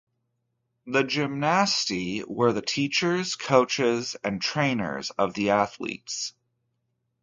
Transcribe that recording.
The gymnastai were the teachers, coaches, and trainers of the athletes.